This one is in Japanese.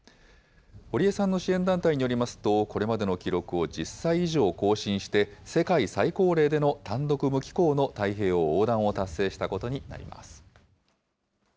堀江さんの支援団体によりますと、これまでの記録を１０歳以上更新して、世界最高齢での単独無寄港の太平洋横断を達成したことになります。